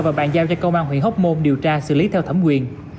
và bàn giao cho công an huyện hóc môn điều tra xử lý theo thẩm quyền